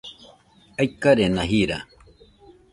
aikarena jirari